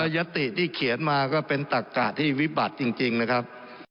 ยัตติที่เขียนมาก็เป็นตักกะที่วิบัติจริงนะครับ